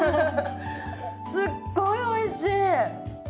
すっごいおいしい！